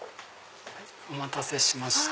お待たせしました。